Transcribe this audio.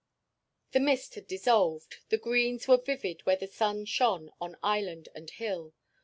The mist had dissolved. The greens were vivid where the sun shone on island and hill.